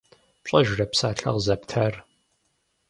ПщӀэжрэ псалъэ къызэптар?